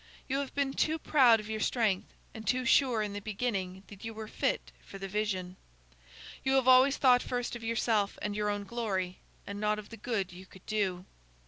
You have been too proud of your strength, and too sure in the beginning that you were fit for the vision. You have always thought first of yourself and your own glory, and not of the good you could do.'